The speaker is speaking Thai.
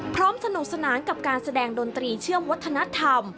สนุกสนานกับการแสดงดนตรีเชื่อมวัฒนธรรม